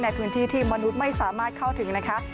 ในพื้นที่ที่มนุษย์ไม่สามารถเข้าถึงนะคะ